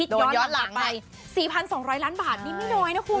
ย้อนหลังไป๔๒๐๐ล้านบาทนี่ไม่น้อยนะคุณ